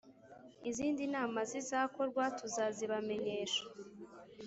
izindi nama zizakorwa tuzazibamenyesha